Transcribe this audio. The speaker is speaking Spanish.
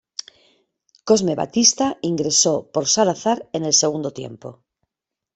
Cosme Batista ingresó por Salazar en el segundo tiempo.